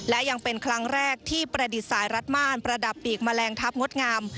และยังเป็นครั้งแรกที่ประดิษฐ์สายรัดม่านประดับปีกแมลงทัพงดงาม